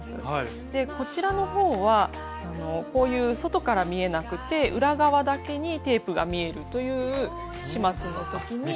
こちらの方はこういう外から見えなくて裏側だけにテープが見えるという始末の時に。